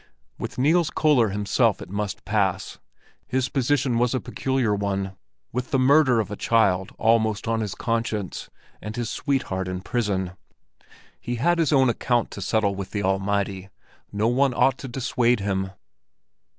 With Niels Köller himself it must pass; his position was a peculiar one—with the murder of a child almost on his conscience and his sweetheart in prison. He had his own account to settle with the Almighty; no one ought to dissuade him!